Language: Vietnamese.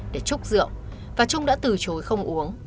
để trúc rượu và trung đã từ chối không uống